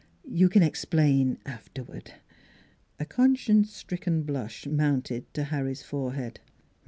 You can explain afterward." A conscience stricken blush mounted to Harry's forehead.